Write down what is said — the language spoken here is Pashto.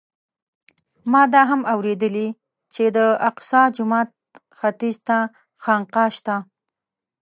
ما دا هم اورېدلي چې د الاقصی جومات ختیځ ته خانقاه شته.